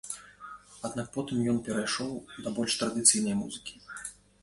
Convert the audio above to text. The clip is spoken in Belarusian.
Аднак потым ён перайшоў да больш традыцыйнай музыкі.